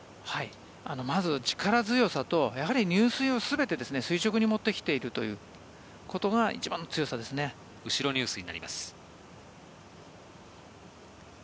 まず力強さと入水を全て垂直に持ってきていることが後ろ入水になります。